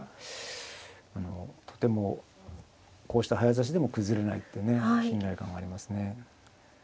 とてもこうした早指しでも崩れないってね信頼感がありますね。